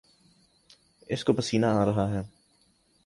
آپ کو پسینہ آرہا ہے